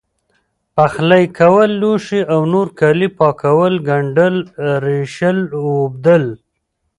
پخلی کول لوښي او نور کالي پاکول، ګنډل، رېشل، ووبدل،